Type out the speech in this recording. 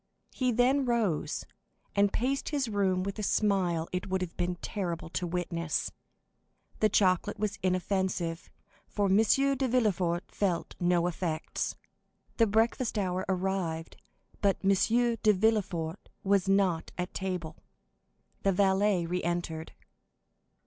He then rose, and paced his room with a smile it would have been terrible to witness. The chocolate was inoffensive, for M. de Villefort felt no effects. The breakfast hour arrived, but M. de Villefort was not at table. The valet re entered.